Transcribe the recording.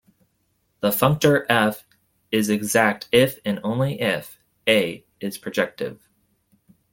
The functor "F" is exact if and only if "A" is projective.